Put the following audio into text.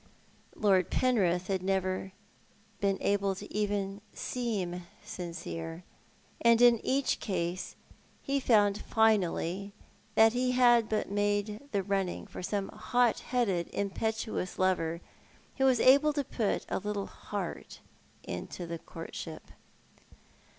Lord Penrith had never been able even to seem sincere ; and in each case he found finally that he had but made the running for some hot headed, impetuous lover, who was able to put a little heart into his courtship.